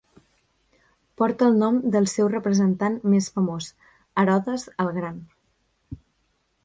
Porta el nom del seu representant més famós, Herodes el Gran.